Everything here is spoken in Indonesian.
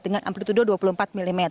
dengan amplitude dua puluh empat mm